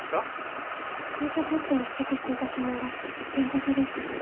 紅茶ポットに付着していた指紋が前科者リストと一致しました。